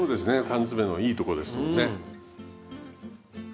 缶詰のいいとこですよね。